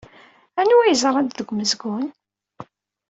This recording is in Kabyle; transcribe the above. Anwa ay ẓrant deg umezgun?